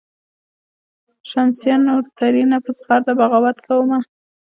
"شمسزیه نور ترېنه په زغرده بغاوت کومه.